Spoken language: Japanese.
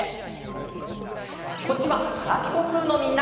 こっちは「ガラピコぷ」のみんな。